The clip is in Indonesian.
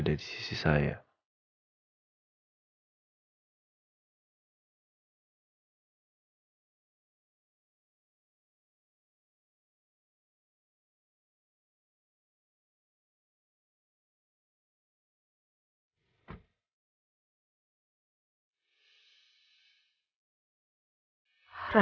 jadi hui dah